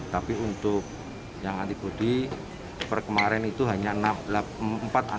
tapi untuk yang antibody per kemarin itu hanya enam delapan